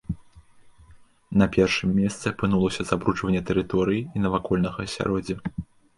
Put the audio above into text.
На першым месцы апынулася забруджванне тэрыторыі і навакольнага асяроддзя.